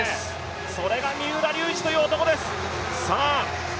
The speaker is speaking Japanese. それが三浦龍司という男です。